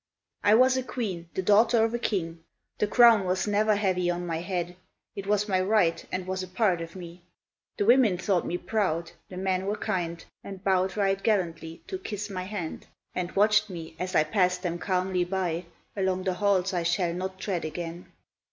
I was a queen, the daughter of a king. The crown was never heavy on my head, It was my right, and was a part of me. The women thought me proud, the men were kind, And bowed right gallantly to kiss my hand, And watched me as I passed them calmly by, Along the halls I shall not tread again.